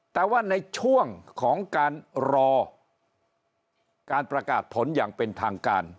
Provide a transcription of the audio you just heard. แต่ว่าในช่วงของการรอการประกาศผลอย่างเป็นทางการ